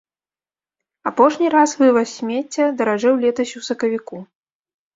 Апошні раз вываз смецця даражэў летась у сакавіку.